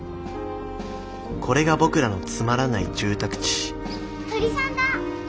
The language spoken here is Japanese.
これが僕らのつまらない住宅地鳥さんだ。